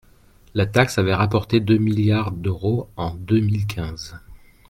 La taxe avait rapporté deux milliards d’euros en deux mille quinze.